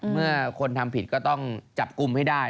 เมื่อคนทำผิดก็ต้องจับกลุ่มให้ได้